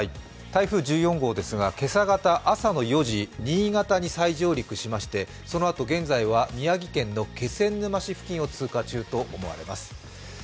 台風１４号ですが今朝方、朝の４時、新潟に再上陸しまして、そのあと現在は宮城県気仙沼市付近を通過中とみられます。